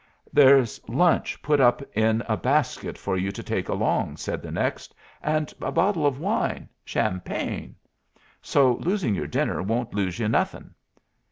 "There's lunch put up in a basket for you to take along," said the next, "and a bottle of wine champagne. So losing your dinner won't lose you nothing."